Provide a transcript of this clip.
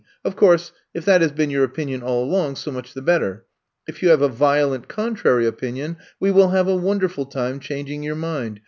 Of course, if that has been your opinion all along, so much the better. If you have a violent contrary opinion, we will have a wonderful time changing your mind.